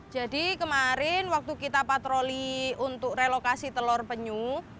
jadi kemarin waktu kita patroli untuk relokasi telur penyu